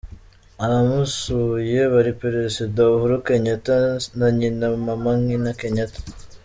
Abamusuye bari Perezida Uhuru Kenyatta na nyina Mama Ngina Kenyatta.